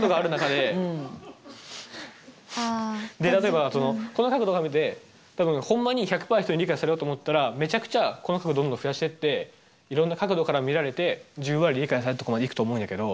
で例えばこの角度から見てホンマに１００％人に理解されようと思ったらめちゃくちゃこの角どんどん増やしていっていろいろな角度から見られて１０割理解されるところまでいくと思うんやけど。